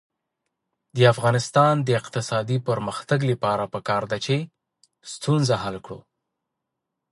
د افغانستان د اقتصادي پرمختګ لپاره پکار ده چې ستونزه حل کړو.